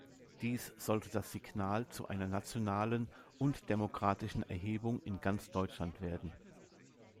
Dies sollte das Signal zu einer nationalen und demokratischen Erhebung in ganz Deutschland werden.